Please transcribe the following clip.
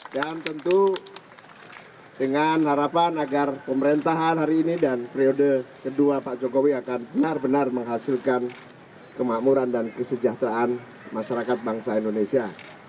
dan tentu dengan harapan agar pemerintahan hari ini dan periode kedua pak jokowi akan benar benar menghasilkan kemakmuran dan kesejahteraan masyarakat bangsa indonesia